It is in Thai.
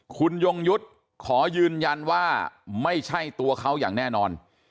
คุณยงยุทธ์ขอยืนยันว่าไม่ใช่ตัวเขาอย่างแน่นอน